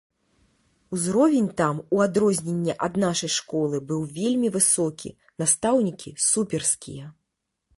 Узровень там, у адрозненне ад нашай школы, быў вельмі высокі, настаўнікі суперскія.